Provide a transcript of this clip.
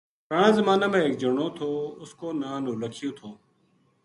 پرانا زمانا ما ایک جنو تھو اس کو نا نولکھیو تھو